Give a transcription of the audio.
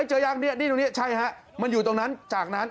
เจอยังนี่ใช่ฮะมันอยู่ตรงนั้นจากนั้น